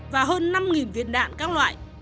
và hơn năm viên đạn các loại